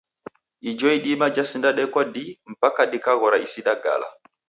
Ijo idima jesindadekwa dii, mpaka dikaghora isi dagala.